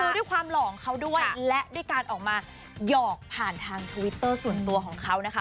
คือด้วยความหล่อของเขาด้วยและด้วยการออกมาหยอกผ่านทางทวิตเตอร์ส่วนตัวของเขานะคะ